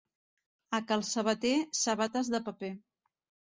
A cal sabater, sabates de paper.